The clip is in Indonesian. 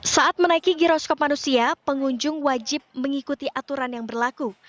saat menaiki giroskop manusia pengunjung wajib mengikuti aturan yang berlaku